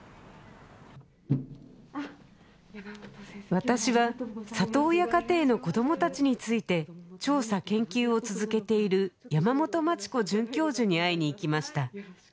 私は里親家庭の子どもたちについて調査研究を続けている山本真知子准教授に会いに行きました